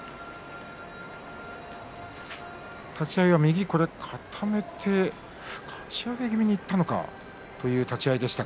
立ち合いは右を固めてかち上げ気味にいったのかという立ち合いでした。